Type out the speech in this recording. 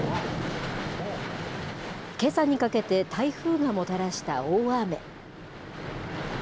けさにかけて台風がもたらした大雨。